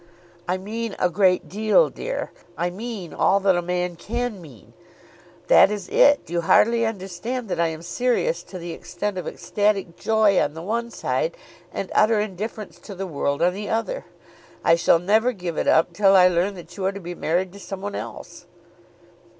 "I mean a great deal, dear. I mean all that a man can mean. That is it. You hardly understand that I am serious to the extent of ecstatic joy on the one side, and utter indifference to the world on the other. I shall never give it up till I learn that you are to be married to some one else."